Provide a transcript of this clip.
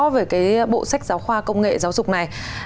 về cái bộ sách giáo khoa công nghệ giáo dục này